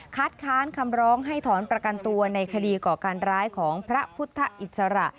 ค้านคำร้องให้ถอนประกันตัวในคดีก่อการร้ายของพระพุทธอิสระ